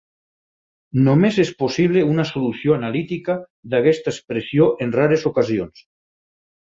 Només és possible una solució analítica d'aquesta expressió en rares ocasions.